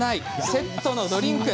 セットのドリンク。